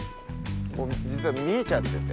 実は見えちゃってて。